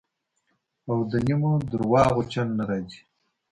او د نیمو درواغو چل نه راځي.